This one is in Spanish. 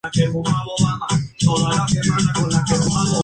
Fue un alcalde, gobernador y hacendado chileno.